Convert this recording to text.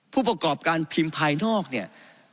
ผู้ประกอบการพิมพ์ภายนอกเนี่ย